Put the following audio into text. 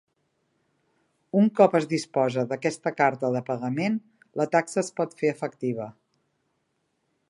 Un cop es disposa d'aquesta carta de pagament, la taxa es pot fer efectiva.